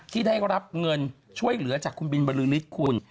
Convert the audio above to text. ที่ได้รับเงินช่วยเหลือจากคุณบินบริษฐ์คุณ